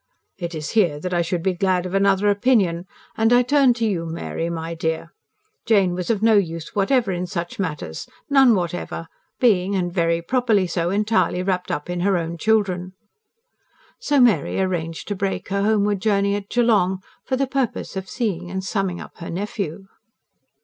"It is here that I should be glad of another opinion and I turn to you, Mary, my dear. Jane was of no use whatever in such matters, none whatever, being, and very properly so, entirely wrapped up in her own children." So Mary arranged to break her homeward journey at Geelong, for the purpose of seeing and summing up her nephew.